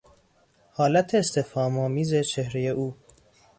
حالت استفهام آمیز چهرهی او